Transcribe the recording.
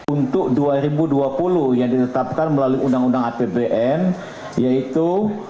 untuk dua ribu dua puluh yang ditetapkan melalui undang undang apbn yaitu